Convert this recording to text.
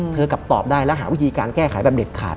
กลับตอบได้และหาวิธีการแก้ไขแบบเด็ดขาด